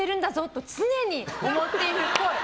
と常に思っているっぽい。